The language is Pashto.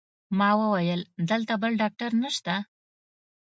ما وویل: دلته بل ډاکټر نشته؟